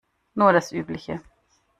Nur das Übliche.